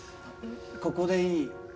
ここでいい。